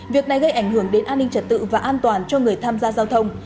việc này gây ảnh hưởng đến an ninh trật tự và an toàn cho người tham gia giao thông